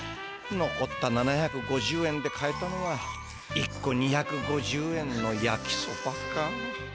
のこった７５０円で買えたのは１個２５０円のやきそばか。